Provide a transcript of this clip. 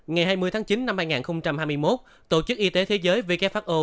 ngày hai mươi tháng chín năm hai nghìn hai mươi một tổ chức y tế thế giới who